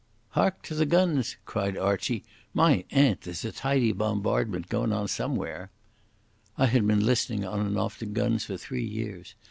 "Hark to the guns!" cried Archie. "My aunt, there's a tidy bombardment goin' on somewhere." I had been listening on and off to guns for three years.